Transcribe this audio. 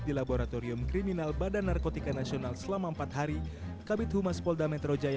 di laboratorium kriminal badan narkotika nasional selama empat hari kabit humas polda metro jaya